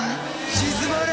静まれ！